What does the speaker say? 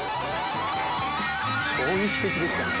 衝撃的でしたね。